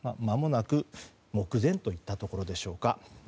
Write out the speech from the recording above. まもなく、目前といったところでしょうか。